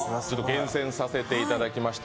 厳選させていただきました。